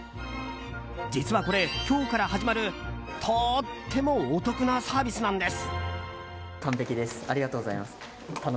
実はこれ、今日から始まるとてもお得なサービスなんです。